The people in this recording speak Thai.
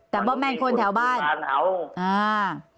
แต่ว่ามันไม่มีคนที่ร้านเท่านี้